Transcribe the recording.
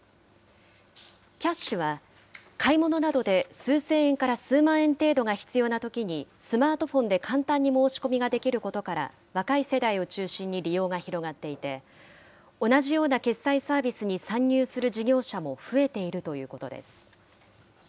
Ｋｙａｓｈは、買い物などで数千円から数万円程度が必要なときにスマートフォンで簡単に申し込みができることから、若い世代を中心に利用が広がっていて、同じような決済サービスに参入する事業者も増えているということです。